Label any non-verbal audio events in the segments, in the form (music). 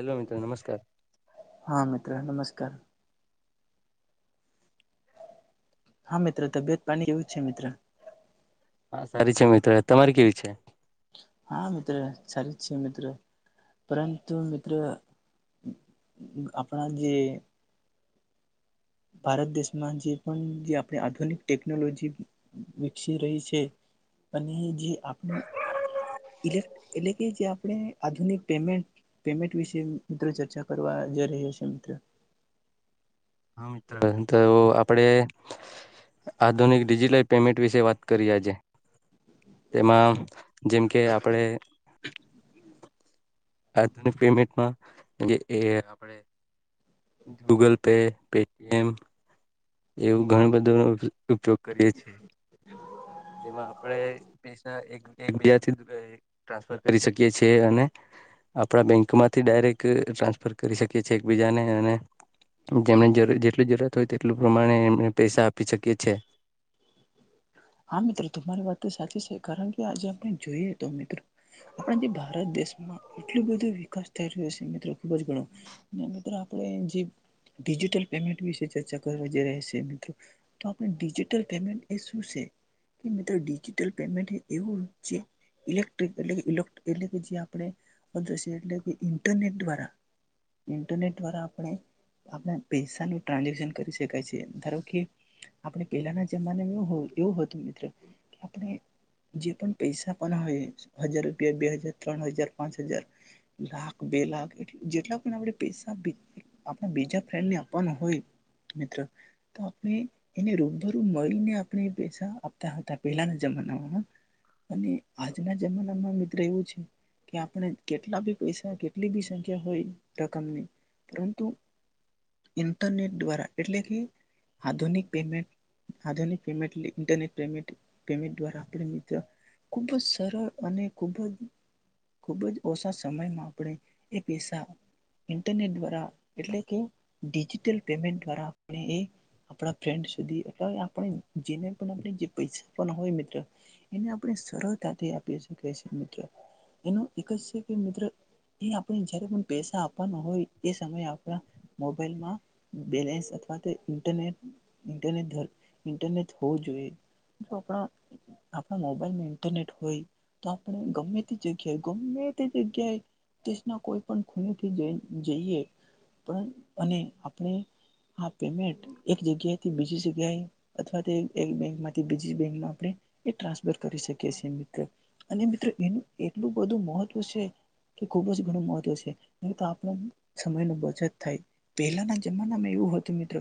Hello મિત્રો નમસ્કાર હા મિત્ર નમસ્ કાર હા મિત્રો તબિયત પાણી કેવું છે? મિત્ર હા સારી છે મિત્રો તમારે કેવી છે? હા મિત્ર સારી છે મિત્ર પરંતુ મિત્ર આપણા જે ભારત દેશમાં જે પણ જે આપણે આધુનિક ટેકનોલોજી વિકસી રહી છે અને જે આપણેલ એટલે કે જે આપણે આધુનિક પેમેન્ટ પેમેન્ટ વિશે મિત્રો ચર્ચા કરવા જઈ રહ્યા છે મિત્ર હા મિત્રો તો આપડે આધુનિક ડિજિટલ પેમેન્ટ વિશે વાત કરી આજે તેમાં જેમ કે આપણે આધુનિક પેમેન્ટમાં એ આપણે ગૂગલ પે પેટીએમ એવું ઘણ બધું ઉપયોગ કરીએ છીએ એમાં આપણે પૈસા એક એકબીજા થી ટ્રાન્સફર કરી શકીએ છીએ અને આપણા બેંકમાંથી ડાયરેક્ટ ટ્રાન્સફર કરી શકી છી એકબીજાને અને જેમને જરૂર જેટલી જરૂરત (unintelligible) એટલું પ્રમાણે એમણે પૈસા આપી છકીએ છે. હા મિત્રો તમારી વાત તો સાચી સે કારણ કે આજે આપણે જોઈએ તો મિત્રો આપણા જે ભારત દેશમાં એટલો બધો વિકાસ થઈ રહ્યો સે મિત્રો ખુબ જ ગણો અને મિત્રો આપણે જે ડિજિટલ પેમેન્ટ વિશે ચર્ચા કરવા રહે સે મિત્રો તો આપણે ડિજિટલ પેમેન્ટ એ શું સે ડીજિટલ પેમેન્ટ એવું હોય છે ઇલેક્ટ્રિક ઇલેક્ટ એટલે એટલે કે જે આપડે (unintelligible) ઇન્ટરનેટ દ્વારા ઇન્ટરનેટ દ્વારા આપણે આપણા પૈસાનું ટ્રાન્ઝેક્શન કરી શકાય સે ધારો કે આપણે પેલાના જમાનામાં એવુ તો મિત્ર આપડે જે પણ પૈસા આપવાના હોય હજાર રૂપિયા બે હજાર ત્રણ હજાર પાંચ હજાર લાખ બે લાખ એ જેટલા પણ આપણે પૈસા આપ બીજા ફ્રેન્ડ આપવાના હોય મિત્ર તો આપણે એને રૂબરૂ મળીને આપણે પૈસા આપતા હતા પહેલાના જમાનામાં અને આજના જમાનામાં મિત્ર એવું છે કે આપણે કેટલા બી પૈસા કેટલી બી સંખ્યા હોય રકમની પરંતુ ઈન્ટરનેટ દ્વારા એટલે કે આધુનિક પેમેન્ટ આધુનિક પેમેન્ટ ઇન્ટરનેટ પેમેન્ટ પેમેન્ટ દ્વારા આપ મિત્ર ખૂબ જ સરળ અને ખૂબ જ ખૂબ જ ઓસા સમયમાં આપણે એ પૈસા ઇન્ટરનેટ દ્વારા એટલે કે ડિજિટલ પેમેન્ટ દ્વારા એ આપણા ફ્રેન્ડ સુધી અ આપણે જેને પણ આપણે (unintelligible) મિત્ર એને આપડે સરળતાથી આપી શકીએ સે મિત્ર એનો એક સે કે મિત્ર એ આપ જારે પણ પૈસા આપાના હોય એ સમયે આપડા મોબાઈલમાં બેલેસ અથવા તો ઇન્ટરનેટ ઈન્ટરનેટ હોવું જોઈએ. આપણા મોબાઈલમાં ઇન્ટરનેટ હોય તો આપણે ગમે તે જગ્યાએ ગમે તે જગ્યાએ દેશના કોઈ પણ ખૂણેથી જઈએ પણ અને આપણે આ પેમેન્ટ એક જગ્યાથી બીજી જગ્યાએ અથવા એક બેંક થી બીજી બેંકમાં આપણે એ ટ્રાન્સફર કરી શકી સીએ મિત્રો અને મિત્રો એનું એટલું બધું મહત્વ સે કે ખુબ જ ઘણું મહત્વ સે ન તો આપણે સમય ન બચત થાય પહેલાના જમાનામાં એવું હતું મિત્ર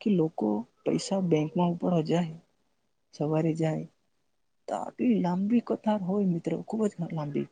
કે લોકો પૈસા બેંકમાં ઉપર જાય સવારે જાય તોટલી લાંબી કથાર હોય મિત્રો ખુબ જ લાંબી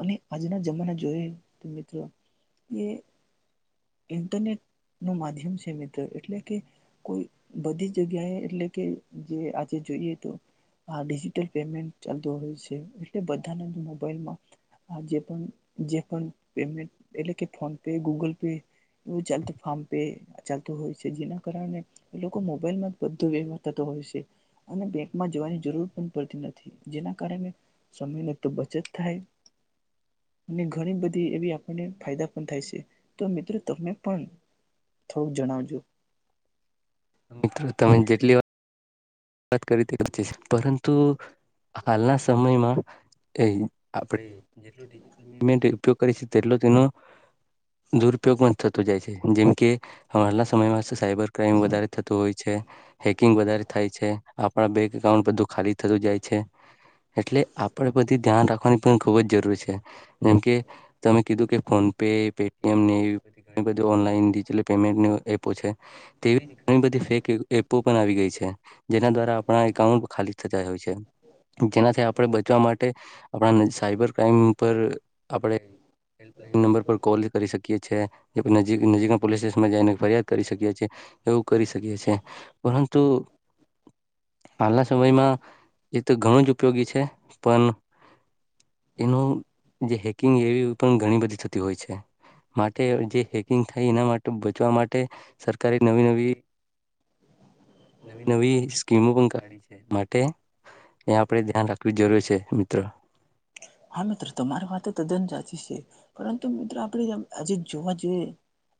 અને આજના જમાના જોઈએ તો મિત્રો એ ઇન્ટરનેટ નું માધ્યમ છે મિત્રો એટલે કે કોઈ બધી જગ્યાએ એટલે કે જે આજે જોઈએ તો આ ડિજિટલ પેમેન્ટ ચાલતો હોય સે એટલે બધાને મોબાઈલમાં જે પણ જે પણ પેમેન્ટ એટલે કે ફોન પે ગૂગલ પે એવુ ચાલતું ફામ પે ચાલતું હોય સે જેના કારણે લોકો મોબાઈલમાં બધો વેવાર થતો હોય છે અને બેંકમાં જવાની જરૂર પણ પડતી નથી જેના કારણે સમયની તો બચત થાય અને ઘણી બધી એ આપણને ફાયદા પણ થાય સે તો મિત્રો તમે પણ થોડુંક જણાવજો. મિત્રો તમે જેટલી વા ત કરી (unintelligible) પરંતુ હાલના સમયમાં એય આપણે જેટલું ડિજિટલ પેમેન્ટ ઉપયોગ કરીશું તેટલું તેનું દુરુપયોગ પણ થતો જાય છે. જેમકે હાલના સમયમાં સાયબર ક્રાઈમ વધારે થતો હોય છે હેકિંગ વધારે થાય છે. આપણા બેંક એકાઉન્ટ બધું ખાલી થતું જાય છે એટલે આપણે બધી ધ્યાન રાખવાની પણ ખુબ જ જરૂરી છે જેમકે તમે કીધું કે ફોન પે પેટી એમ ને એવી બધી ડિજિટલ પેમેન્ટની એપો છે તેવી ઘણી બધી ફેક એપો પણ આવી ગઈ છે. જેના દ્વાર આપણા એકાઉન્ટ ખાલી થતા હોય છે. જેનાથી આપણે બચવા માટે આપણા ન સાયબર ક્રાઈમ પર આપણે હેલ્પલાઈન નંબર પર કોલ કરી શકીએ છે કે નજીકના પોલીસ સ્ટેશનમાં જાઈને ફરિયાદ કરી શકીએ છે એવું કરી શકીએ છે પરંતુ હાલના સમયમાં એ તો ઘણું જ ઉપયોગી છે. પણ એનું જે હેકિંગ એવી પણ ઘણી બધી થતી હોય છે માટે જે હેકિંગ થાય એના માટે બચવા માટે સરકારે નવી નવી નવી નવી સ્કીમો પણ કાયઢી છે માટે એ આપડે ધ્યાન રાખવી જરૂરી છે. ટ હા મિત્રો તમારી વાત તો તદ્દન સાચી છે પરંતુ મિત્રો આપણે આજે જોવા જઈએ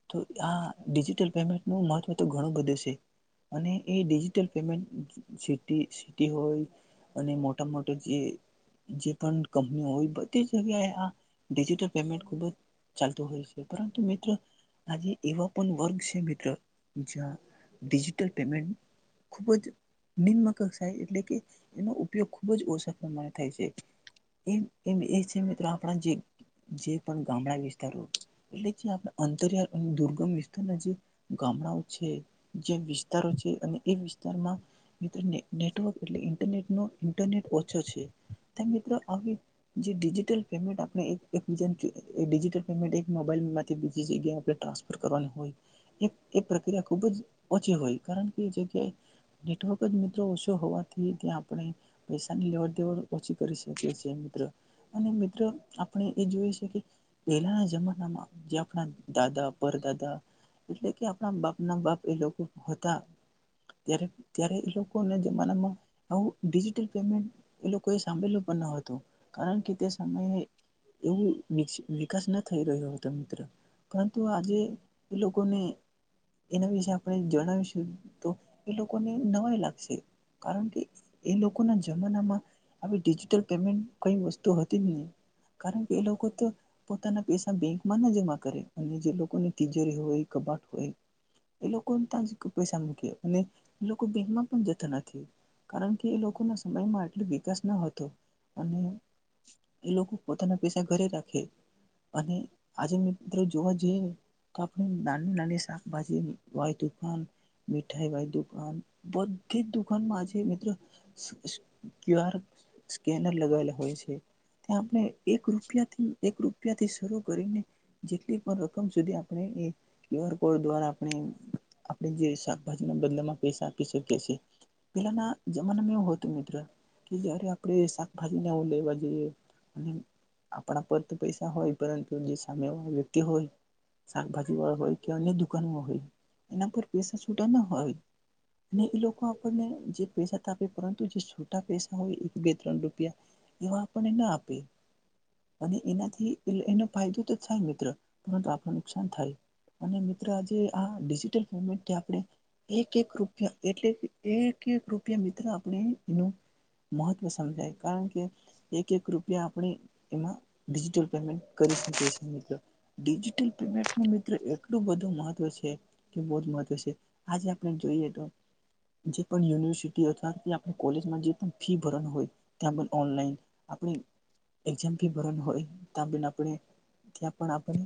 તો આ ડિજિટલ પેમેન્ટનું મહત્વ તો ઘણું બધું છે અને એ ડિજિટલ પેમેન્ટ સિટી સિટી હોય અને મોટા મોટા જે પણ કંપની હોય બધી જગ્યાએ આ ડિજિટલ પેમેન્ટ ખૂબ જ ચાલતું હોય છે પરંતુ મિત્ર આજે એવા પણ વર્ગ છે મિત્ર જ્યાં ડિજિટલ પેમેન્ટ ખૂબ જ નિમ્ન કક્ષાએ એટલે કે એનો ઉપયોગ ખૂબ જ ઓછા પ્રમાણે થાય છે. એમ એ આપણા જે જે પણ ગામડા વિસ્તારો એટલે જે આપ અંતરિયાળ અને દુર્ગમ વિસ્તારના જે ગામડાઓ છે જે વિસ્તારો છે અને એ વિસ્તારમાં મિત્ર નેટવર્ક એટલે ઇન્ટરનેટનો ઇન્ટરનેટ ઓછો છે મિત્રો આવી જે ડિજીિટલ પેમેન્ટ આપણે એકબીજા ડિજિટલ પેમેન્ટ એક મોબાઈલમાંથી બીજી જગ્યાએ આપણે ટ્રાન્સફર કરવાની હોય એ એ પ્રક્રિયા ખુબ જ ઓછી હોય કારણ કે એ જગ્યાએ નેટવર્ક જ મિત્રો ઓછો હોવાથી ત્યાં આપણે પૈસાની લેવડ દેવડ ઓછી કરી શક મિત્ર આપણે એ જોય છે કે પહેલાના જમાનામાં જે આપણા દાદા પરદાદા એટલે કે આપણા બાપ ના બાપ એ લોકો હતા ત્યારે ત્યારે એ લોકો ના જમાનામાં આવું ડિજિટલ પેમેન્ટ એ લોકો એ સાંભળેલું પણ ન હતું કારણ કે તે સમયે એવું વિકસિ વિકાસ ન થઈ રહ્યો હતો મિત્ર પરંતુ આજે એ લોકોને એના વિશે આપણે જણાવી હ તો એ લોકોને નવાઈ લાગશે કારણ કે એ લોકોના જમાનામાં આવી ડિજિ ટલ પેમેન્ટ કઈ વસ્તુ હતી જ નહીં કારણ કે એ લોકો તો પોતાના પૈસા બેંકમાં ના જમા કરે અને જે લોકોને તિજોરી હોય, કબાટ હોય એ કો ના તાજ પૈસા મૂકે અને તે લોકો બેન્કમાં પણ જતા નથી કારણ કે એ લોકોના સમયમાં આટલો વિકાસ ન હતો. અને એ લોકો પોતાના પૈસા ઘરે રાખે. અને આજે મિત્રો જોવા જઈએ તો આપણે નાની નાની શાકભાજી વાય દુકાન મીઠાઈ વાય દુકાન બધી જ દુકાનમાં આજે મિત્રો ક્યુ આર કેનર લગાવેલા હોય છે ત્યાં આપણે એક રૂપિય એક રૂપિયાથી શરૂ કરીને જેટલી પણ રકમ સુધી આપણે ક્યુ આર કોડ દ્વારા આપણે જે શાકભાજીના બદલામાં પૈસા આપી શકીએ છીએ પેહલાના જમાનામાં એવું હતું મિત્ર કે જયારે આપ ણે શાકભાજીને એવું લેવા જઈએ અને આપણા પર તો પૈસા હોય પરંતુ જે સામે વાળી જે વ્યક્તિ હોય શાકભાજીવાળા હોય કે અન્ય દુકાનવાળા હોય એના પર પેસા છૂટા ના હોય અને એ લોકો આપણને જે પૈસા ત આપે પરંતુ જે છુટ્ટા પૈસા હોય બે ત્રણ રૂપિયા. એવા આપણને ના આપે, અને એનાથી એનો ફાયદો તો થાય મિત્ર, પરંતુ આપણ નુકસાન, થાય અને મિત્ર આજે આ ડિજિટલ પેમેન્ટથી આપણે એક એક રૂપ એટલે એ કે કૃપિયા મિત્ર આપણે એનું મહત્ત્વ સમજાય કારણ કે, એક એક રૂપિયા આપણે એમાં ડિજિટલ પેમેન્ટ કરી શકીએ છીએ મિત્રો, ડિજિટલ પેમેન્ટનું મિત્ર એટલું બધું મહત્ત્વ છે, કે બહુ જ મહત્ત્વ છે આજે આપણે જોઈએ તો જે પણ યુનિવર્સિટી અથવા આપણી કોલેજમાં જે પણ ફી ભરવા હોય, ત્યાં ઓનલાઈન આપણે એક્ઝામ ફી ભરની હોય ત્યાં આપણે ત્યાં પણ આપણે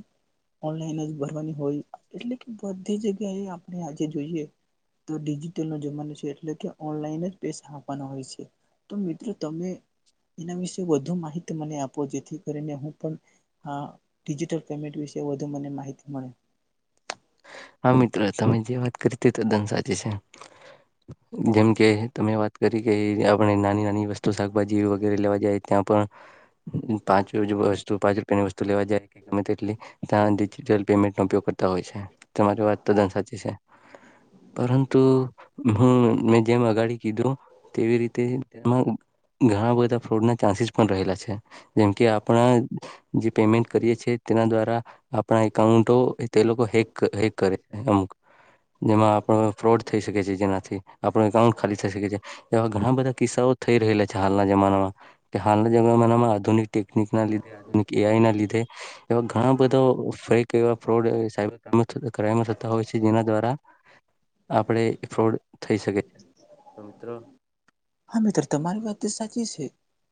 ઓનલાઈન જ ભરવાની હોય એટલે કે બધી જગ્યાએ આપણે આજે જોઈએ, તો ડિજિટલ નો જમાનો છે એટલે કે ઓનલાઈને જ પૈસા આપવાના હોય છે. તો મિત્ર તમે એના વિશે વધુ વધ માહિતી મ આપો જેથી કરીને હું પણ આ ડિજિટલ પેમેન્ટ વિશે મને માહિતી મળે. હા મિત્રો તમે જે વાત કરી તે તદ્દન સાચી છે. જેમ કે તમે વાત કરી કે આપણે નાની નાની વસ્તુ શાકભાજી વગેરે લેવા જાય ત્યાં પણ. પાંચ વસ્તુ પાંચ રૂપિયાની વસ્તુ લેવા જાય કે ગમે તેટલી, ત્યાં ડિજિટલ પેમેન્ટનોો ઉપયોગ કરતા હોય છે. તમારી વાત તદ્દન સાચી છે, પરંતુ હું મેં જેમ અગાડી કીધું, તેવી રીતે ઘણા બધા ફ્રોડ ના ચાન્સીસ છે, જેમ આપ જે પેમેન્ટ કરીએ છ તેના દ્વારા આપણા એકાઉન્ટો એ તે લોકો હેક અમુક (unintelligible) જેમાં આપો ફ્રોડ થઈ શકે છે, જેનાથી આપણો એકાઉન્ટ ખાલી થઈ શકે છે, એવા ઘણા બધા કિસ્સાઓ થઈ રહેલા છે હાલના જમાનામાં કે હાલના જમાનામાં આધુનિક ટેકનિક ના લીધે, આધુનિક એઆઈ ના લીધે એવા ઘણા બધા ફ્રોડ થઈ રહ્યા છે (unintelligible) જેના દ્વારા આપણે ફ્રોડ થઈ શકે છે હા, મિત્રો તમારી વાત સાચી છે,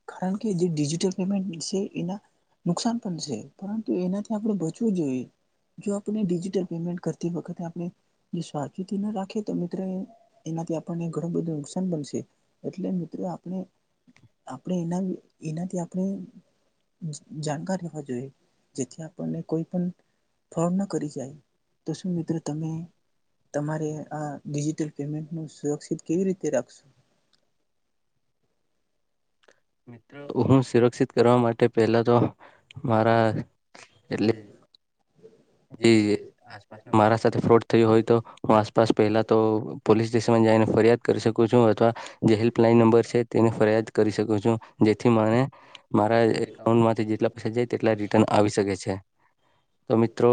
કારણ કે જે ડિજિટલ પેમેન્ટ છે, એના નુકસાન પણ છે પરંતુ એનાથી આપણે બચવું જોઈએ જો આપણે ડિજિટલ પેમેન્ટ કરતી વખતે આપણે સાવચેતીની રાખીએ તો મિત્રો એનાથી આપણને ઘણું બધું નુકસાન પણ છે એટલે મિત્રો આપણે આપણે એના એનાથી આપણે જાણકાર લેવા જોઈએ, જેથી આપણને કોઈ પણ ફોડ ના કરી જાય તો શું મિત્રો તમે તમારે આ ડિજિટલ પેમેન્ટનું સુરક્ષિત કેવી રીતે રાખશો મિત્રો હું સુરક્ષિત કરવા માટે પેલા તો, મારા એટલે જી, મારા સાથે ફ્રોડ થયું હોય તો હું આસપાસ પહેલા તો પોલીસ સ્ટેશનમાં જઈને ફરિયાદ કરી શકું છું, અથવા જે હેલ્પલાઈન નંબર છે, તેની ફરિયાદ કરી શકું છું જેથી મને મારા એકાઉન્ટમાંથી જેટલા પૈસા જાય તેટલા રિટર્ન આવી શકે છે, તો મિત તો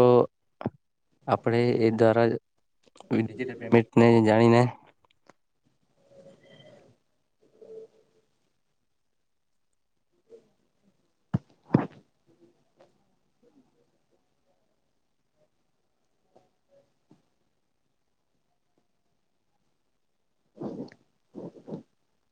આપણે એ દ્વારાટલ પેમેન્ટને જાણીને (inaudible) હ, હ, હ, હ